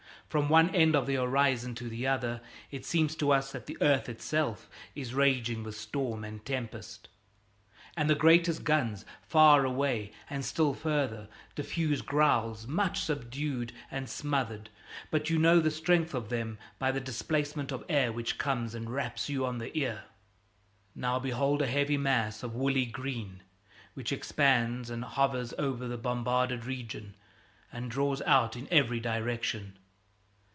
From one end of the horizon to the other it seems to us that the earth itself is raging with storm and tempest. And the greatest guns, far away and still farther, diffuse growls much subdued and smothered, but you know the strength of them by the displacement of air which comes and raps you on the ear. Now, behold a heavy mass of woolly green which expands and hovers over the bombarded region and draws out in every direction.